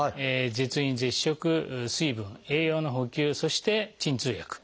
絶飲・絶食水分・栄養の補給そして鎮痛薬。